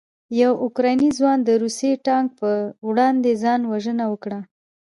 یو اوکراني ځوان د روسي ټانک په وړاندې ځان وژنه وکړه.